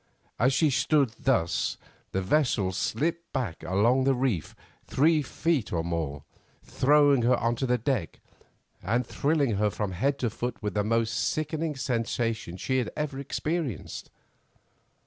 As she stood thus the vessel slipped back along the reef three feet or more, throwing her to the deck, and thrilling her from head to foot with the most sickening sensation she had ever experienced.